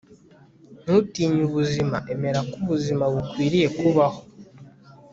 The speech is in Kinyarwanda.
ntutinye ubuzima. emera ko ubuzima bukwiriye kubaho